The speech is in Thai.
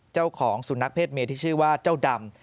เจ้าของสุนัขเศษเมที่ชื่อว่าเจ้าดำ